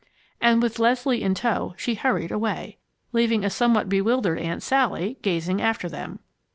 And with Leslie in tow, she hurried away, leaving a somewhat bewildered Aunt Sally gazing after them.